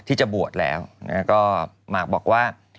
ที่จะบูดแล้วมาร์กบอกว่า